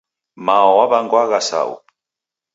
Mao waw'angwagha Sau.